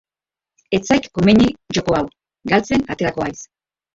Ez zaik komeni joko hau; galtzen aterako haiz